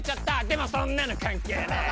でもそんなの関係ねぇ。